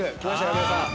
皆さん。